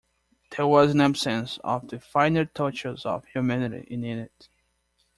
There was an absence of the finer touches of humanity in it!